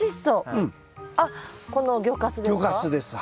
あっこの魚かすですか？